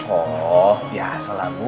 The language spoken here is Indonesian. oh biasa lah bu